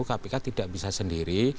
kpk tidak bisa sendiri